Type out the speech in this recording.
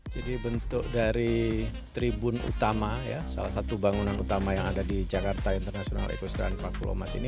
jadi bentuk dari tribun utama salah satu bangunan utama yang ada di jakarta internasional ekestrian pulau mas ini